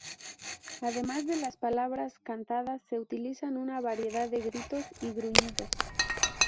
Además de las palabras cantadas, se utilizan una variedad de gritos y gruñidos.